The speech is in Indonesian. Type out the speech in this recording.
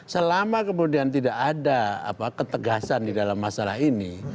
selama kemudian tidak ada ketegasan di dalam masalah ini